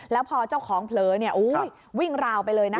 แล้วพอเจ้าของเผลอเนี่ยอุ้ยวิ่งราวไปเลยนะแล้ว